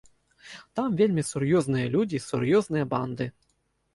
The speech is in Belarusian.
Там вельмі сур'ёзныя людзі, сур'ёзныя банды.